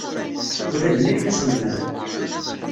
Ula d nekk d aselmad.